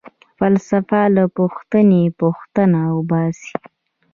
فلسفه له پوښتنې٬ پوښتنه وباسي.